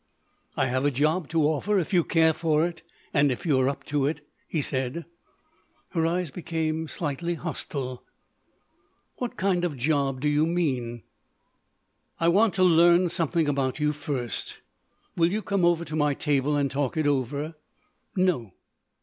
"I have a job to offer if you care for it and if you are up to it," he said. Her eyes became slightly hostile: "What kind of job do you mean?" "I want to learn something about you first. Will you come over to my table and talk it over?" "No."